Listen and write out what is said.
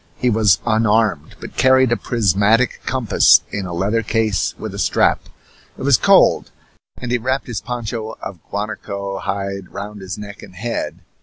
He was unarmed, but carried a prismatic compass in a leather case with a strap. It was cold, and he wrapped his poncho of guanaco hide round his neck and head.